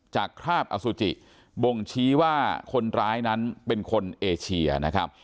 คราบอสุจิบ่งชี้ว่าคนร้ายนั้นเป็นคนเอเชียนะครับ